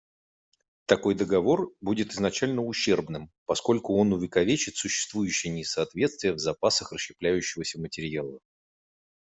Такой договор будет изначально ущербным, поскольку он увековечит существующее несоответствие в запасах расщепляющегося материала.